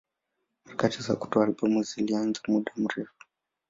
Harakati za kutoa albamu zilianza muda mrefu.